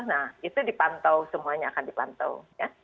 nah itu dipantau semuanya akan dipantau ya